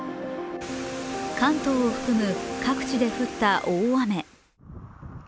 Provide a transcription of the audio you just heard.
関東を含む各地で降った大雨。